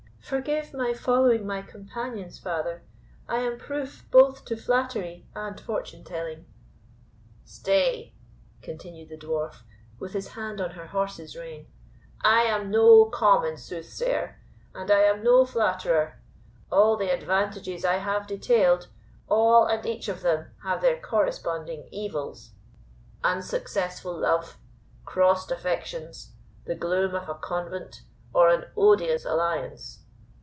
"Forgive my following my companions, father; I am proof both to flattery and fortune telling." "Stay," continued the Dwarf, with his hand on her horse's rein, "I am no common soothsayer, and I am no flatterer. All the advantages I have detailed, all and each of them have their corresponding evils unsuccessful love, crossed affections, the gloom of a convent, or an odious alliance.